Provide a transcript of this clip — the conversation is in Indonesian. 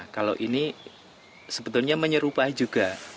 kalau ini sebetulnya menyerupai juga